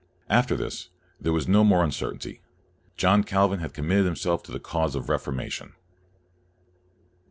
After this, there was no more uncertainty. John Calvin had com mitted himself to the cause of the Refor mation.